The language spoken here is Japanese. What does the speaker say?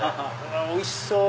おいしそう！